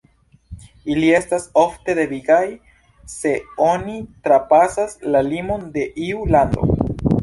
Ili estas ofte devigaj, se oni trapasas la limon de iu lando.